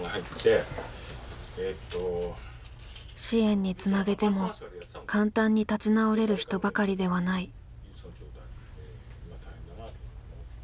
支援につなげても簡単に立ち直れる人ばかりではない。